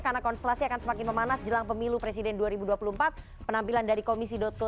karena konstelasi akan semakin memanas jelang pemilu presiden dua ribu dua puluh empat penampilan dari komisi co